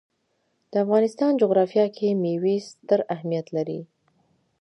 د افغانستان جغرافیه کې مېوې ستر اهمیت لري.